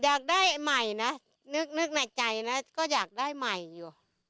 อยากได้ใหม่นะนึกในใจนะก็อยากได้ใหม่อยู่